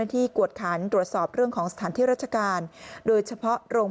กวดขันตรวจสอบเรื่องของสถานที่ราชการโดยเฉพาะโรง